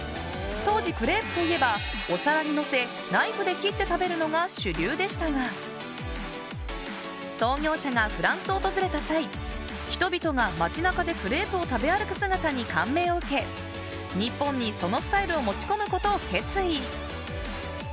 当時クレープといえばお皿にのせナイフで切って食べるのが主流でしたが創業者がフランスを訪れた際人々が、街中でクレープを食べ歩く姿に感銘を受け日本に、そのスタイルを持ち込むことを決意。